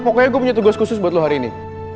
pokoknya gue punya tugas khusus buat lo hari ini